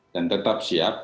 dan tetap siap